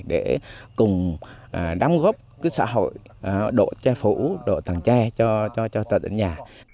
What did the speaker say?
để cùng đám góp cái xã hội độ tre phủ độ thằng tre cho tạ tỉnh nhà